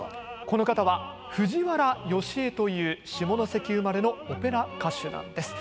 この方は藤原義江という下関生まれのオペラ歌手なんです。